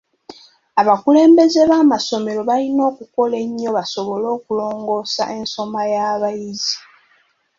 Abakulembeze b'amasomero balina okukola ennyo basobole okulongoosa ensoma y'abayizi.